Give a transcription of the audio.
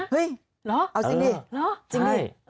เฮ้ยเอาจริงดิจริงดิเออเออเออเออเออเออเออเออเออเออเออเออเออ